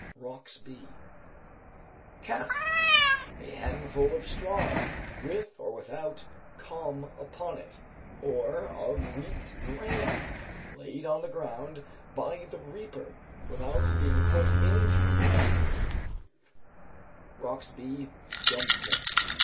Roxb. Cat. A handful of straw, with or without corn upon it, or of reaped grain, laid on the ground by the reaper without being put into a sheaf (Roxb., Dumfr.).